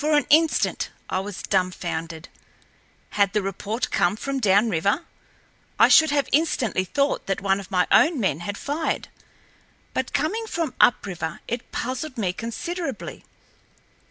For an instant I was dumbfounded. Had the report come from down river, I should have instantly thought that one of my own men had fired. But coming from up river it puzzled me considerably.